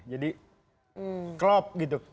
jadi klop gitu